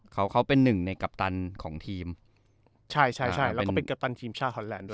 เขาเขาเป็นหนึ่งในกัปตันของทีมใช่ใช่ใช่แล้วก็เป็นกัปตันทีมชาติฮอนแลนด์ด้วย